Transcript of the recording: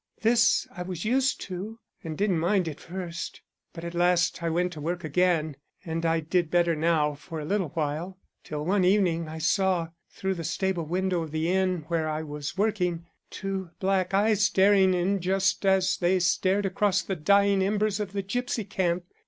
This I was used to and didn't mind at first, but at last I went to work again, and I did better now for a little while, till one evening I saw, through the stable window of the inn where I was working, two black eyes staring in just as they stared across the dying embers of the gipsy camp.